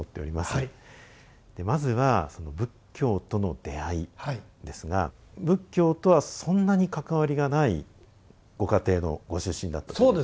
まずはその「仏教との出会い」ですが仏教とはそんなに関わりがないご家庭のご出身だったという。